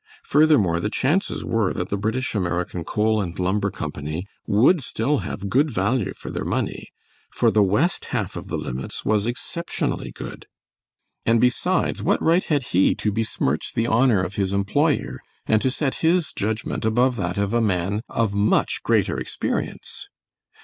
Furthermore, the chances were that the British American Coal and Lumber Company would still have good value for their money, for the west half of the limits was exceptionally good; and besides, what right had he to besmirch the honor of his employer, and to set his judgment above that of a man of much greater experience?